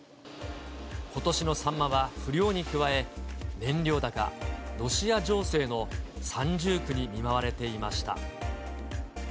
ことしのサンマは、不漁に加え、燃料高、ロシア情勢の三重苦に見舞われていました。